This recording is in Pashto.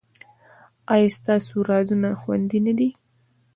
ایا ستاسو رازونه خوندي نه دي؟